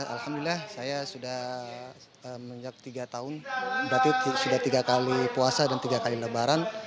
alhamdulillah saya sudah meninjak tiga tahun berarti sudah tiga kali puasa dan tiga kali lebaran